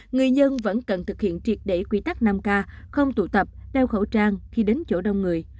người dân vẫn cần thực hiện triệt để quy tắc năm k không tụ tập đeo khẩu trang khi đến chỗ đông người